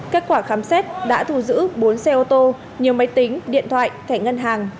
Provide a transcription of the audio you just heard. kết quả khám xét đã thu giữ bốn xe ô tô nhiều máy tính điện thoại thẻ ngân hàng